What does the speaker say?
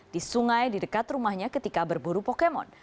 di sungai di dekat rumahnya ketika berburu pokemon